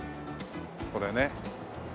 これね。